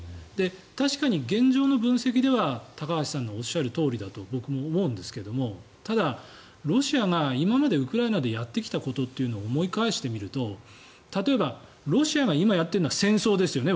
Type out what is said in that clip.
確かに現状の分析では高橋さんのおっしゃるとおりだと僕も思うんですがただ、ロシアが今までウクライナでやってきたことを思い返してみると例えばロシアが今やっているのは戦争ですよね